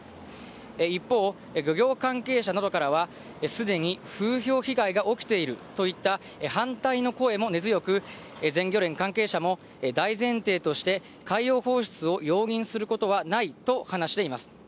一方、漁業関係者などからは、すでに風評被害が起きているといった反対の声も根強く、全漁連関係者も大前提として海洋放出を容認することはないと話しています。